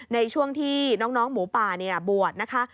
ในช่วงที่น้องหมูป่าบวชนะคะ